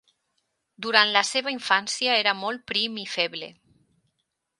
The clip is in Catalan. Durant la seva infància era molt prim i feble.